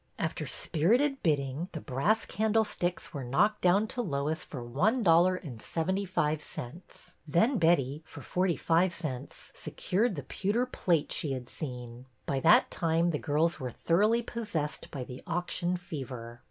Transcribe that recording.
After spirited bidding, the brass candlesticks were knocked down to Lois for one dollar and seventy five cents. Then Betty, for forty five cents, secured the pewter plate she had seen. By that time the girls were thoroughly possessed by the auction fever.